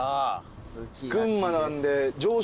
群馬なんで。